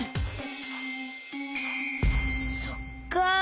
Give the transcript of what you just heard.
そっか。